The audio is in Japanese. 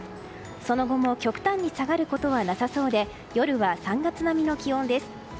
その後も極端に下がることはなさそうで夜は３月並みの気温です。